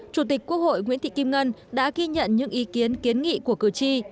chủ tịch quốc hội nguyễn thị kim ngân đã ghi nhận những ý kiến kiến nghị của cử tri